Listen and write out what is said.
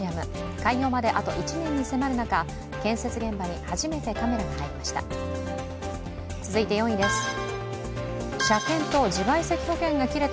開業まであと１年に迫る中、建設現場に初めてカメラが入りました。